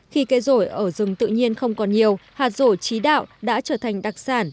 khi cây rổi ở rừng tự nhiên không còn nhiều hạt rổi trí đạo đã trở thành đặc sản